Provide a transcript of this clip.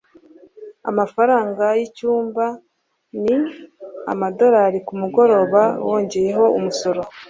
Amafaranga yicyumba ni $ kumugoroba wongeyeho umusoro.